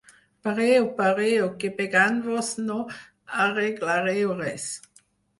Pareu, pareu, que pegant-vos no arreglareu res.